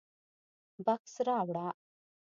_بکس راوړه.